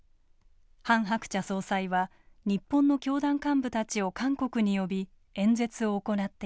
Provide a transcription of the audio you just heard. ハン・ハクチャ総裁は日本の教団幹部たちを韓国に呼び演説を行っていました。